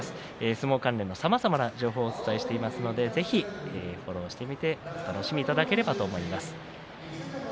相撲関連のさまざまな情報をお伝えしていますのでぜひフォローしてみて楽しんでいただければと思います。